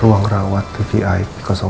ruang rawat tvi satu